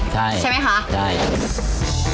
ใช่ใช่ไหมคะ